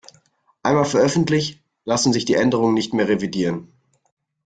Einmal veröffentlicht, lassen sich die Änderungen nicht mehr revidieren.